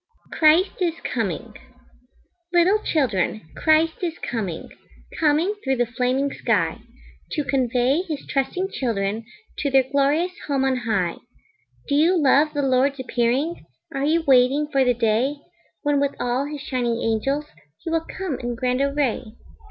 Christ Is Coming Little children, Christ is coming, Coming through the flaming sky, To convey his trusting children To their glorious home on high Do you love the Lord's appearing? Are you waiting for the day When with all his shining angels He will come in grand array?